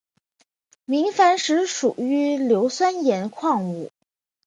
明矾石属于硫酸盐矿物。